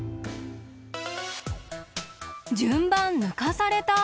じゅんばんぬかされた！